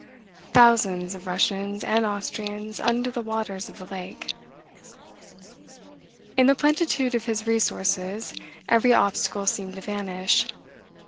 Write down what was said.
] thousands of Russians and Austrians under the waters of the lake." In the plenitude of his resources, every obstacle seemed to vanish.